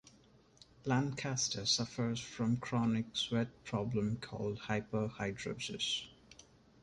Lancaster suffers from chronic sweat problem called hyperhidrosis.